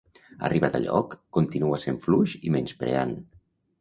Arribat a lloc, continua sent fluix i menyspreant.